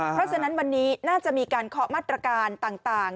เพราะฉะนั้นวันนี้น่าจะมีการเคาะมาตรการต่าง